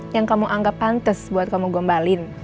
yang kamu anggap pantes buat kamu gombalin